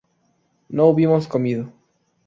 no hubimos comido